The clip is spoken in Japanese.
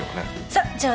さあ。